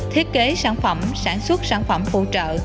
thiết kế sản phẩm sản xuất sản phẩm phụ trợ